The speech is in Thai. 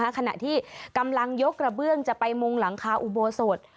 ขณะที่กำลังยกระเบื้องจะไปมุงหลังคาอุโบสถ